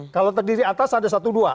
kalau terdiri atas ada satu dua